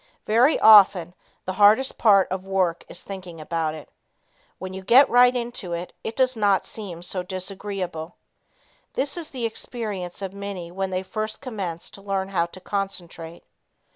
Very often the hardest part of work is thinking about it. When you get right into it, it does not seem so disagreeable. This is the experience of many when they first commence to learn how to concentrate.